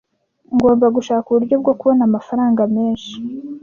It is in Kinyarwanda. Ngomba gushaka uburyo bwo kubona amafaranga menshi.